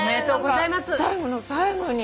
何か最後の最後に。